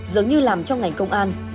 dường như làm trong ngành công an